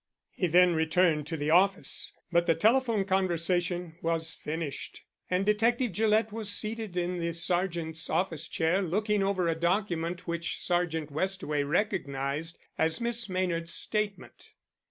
He then returned to the office, but the telephone conversation was finished, and Detective Gillett was seated in the sergeant's office chair, looking over a document which Sergeant Westaway recognized as Miss Maynard's statement.